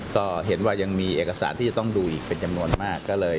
ก็เห็นว่ายังมีเอกสารที่จะต้องดูอีกเป็นจำนวนมาก